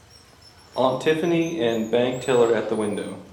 Aunt Tiffany and bank teller at the window.